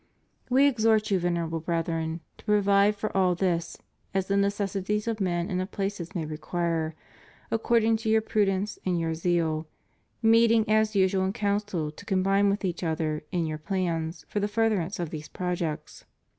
We exhort you, Venerable Brethren, to provide for all this, as the necessities of men and of places may require, according to your prudence and your zeal, meeting as usual in council to combine with each other in your plans for the furtherance of these projects.